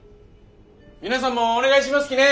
皆さんもお願いしますきね。